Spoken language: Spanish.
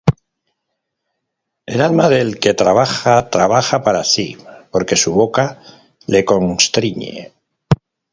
El alma del que trabaja, trabaja para sí; Porque su boca le constriñe.